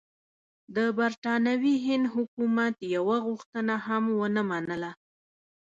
د برټانوي هند حکومت یوه غوښتنه هم ونه منله.